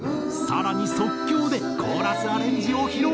更に即興でコーラスアレンジを披露！